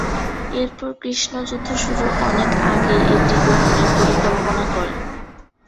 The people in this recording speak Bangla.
এরপর কৃষ্ণ যুদ্ধ শুরুর অনেক আগেই একটি গ্রহণের পরিকল্পনা করেন।